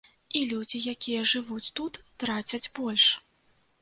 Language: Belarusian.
І людзі, якія жывуць тут, трацяць больш.